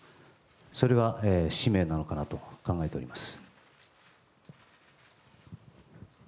それが使命なのかなと考えております。